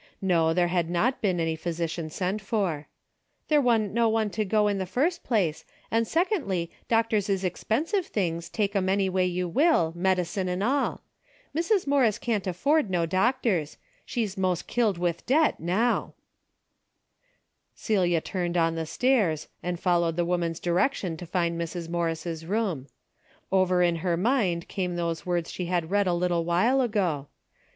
'No, there had not been any physician sent for. " There Avan't no one to go in the first place, and, secondly, doctors is expensive things, take 'em anyway you will, medicine and all. Mrs. Morris can't afford no doctors. She's most killed Avith debt noAV." Celia turned on the stairs, and folloAved the Avoman's direction to find Mrs. Morris' room. 28 DAILY RATEA^ Ov^er in her mind came those vyords she had read a little while ago.